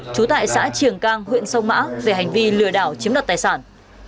chú tại xã triềng cang huyện sông mã về hành vi lừa đảo chiếm đặt tài sản